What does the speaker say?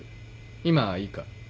今いいか？